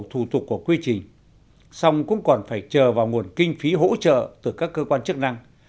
thủ tục của quy trình xong cũng còn phải chờ vào nguồn kinh phí hỗ trợ từ các cơ quan chức năng